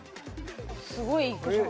すごい行くじゃん。